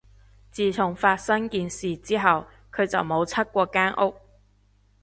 自從發生件事之後，佢就冇出過間屋